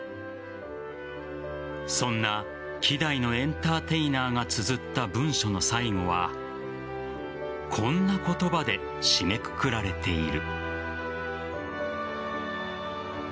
そんな希代のエンターテイナーがつづった文章の最後はこんな言葉で締めくくられている。